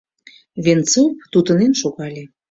Венцов тутынен шогале.